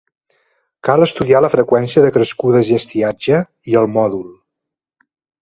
Cal estudiar la freqüència de crescudes i estiatge, i el mòdul.